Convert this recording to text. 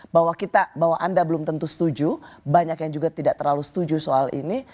bahwa kita bahwa anda belum tentu setuju banyak yang juga tidak terlalu setuju soal ini